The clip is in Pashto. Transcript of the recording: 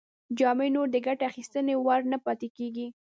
جامې نور د ګټې اخیستنې وړ نه پاتې کیږي.